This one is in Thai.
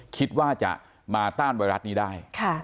คิดว่าจะมาต้านไวรัสนี้ได้